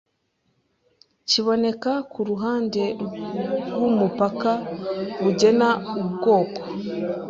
kiboneka kuruhande rwumupaka bugena ubwoko